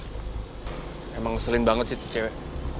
emang ngeselin banget sih tuh cewek